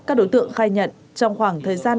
các đối tượng khai nhận trong khoảng thời gian